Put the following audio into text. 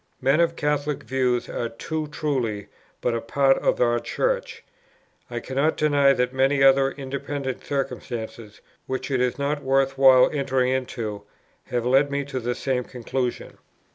Men of Catholic views are too truly but a party in our Church. I cannot deny that many other independent circumstances, which it is not worth while entering into, have led me to the same conclusion.